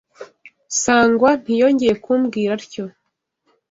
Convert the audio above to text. Sangwa ntiyongeye kumbwira atyo.